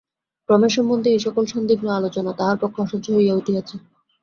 রমেশ সম্বন্ধে এই-সকল সন্দিগ্ধ আলোচনা তাহার পক্ষে অসহ্য হইয়া উঠিয়াছে।